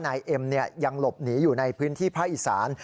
และตำรวจรู้แล้วนะครับว่านายเอ็มยังหลบหนีอยู่ในพื้นที่พระอิษฐาน